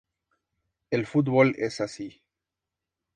El fútbol es así